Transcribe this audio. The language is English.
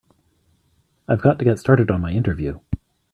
I've got to get started on my interview.